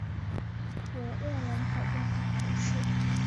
维厄人口变化图示